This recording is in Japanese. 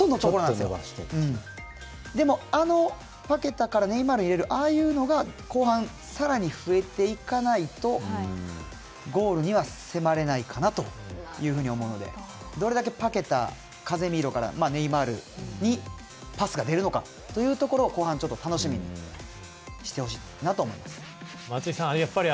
でも、あのパケタからネイマールに入れるああいうのが後半さらに増えていかないとゴールには迫れないかなというふうに思うのでどれだけパケタカゼミーロからネイマールにパスが出るのかというところちょっと楽しみにしてほしいなと思います。